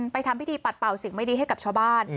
ทำพิธีปัดเป่าสิ่งไม่ดีให้กับชาวบ้าน